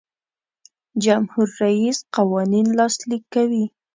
جمهور رئیس قوانین لاسلیک کوي.